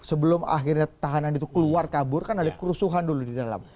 sebelum akhirnya tahanan itu keluar kabur kan ada kerusuhan dulu di dalam